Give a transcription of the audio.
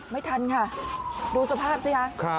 ไม่ทันค่ะดูสภาพสิคะ